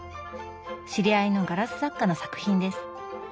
知り合いのガラス作家の作品です。